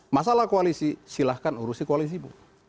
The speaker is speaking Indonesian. masalah koalisi silahkan urusin koalisi ibu